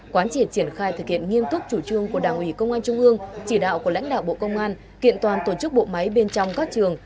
quán triệt triển khai thực hiện nghiêm túc chủ trương của đảng ủy công an trung ương chỉ đạo của lãnh đạo bộ công an kiện toàn tổ chức bộ máy bên trong các trường